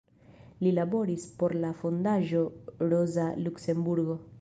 Li laboris por la Fondaĵo Roza Luksemburgo.